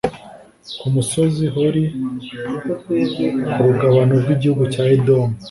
ku musozi hori ku rugabano rw’igihugu cya edomu